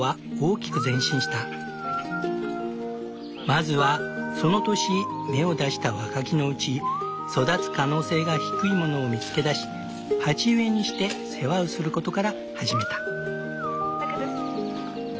まずはその年芽を出した若木のうち育つ可能性が低いものを見つけだし鉢植えにして世話をすることから始めた。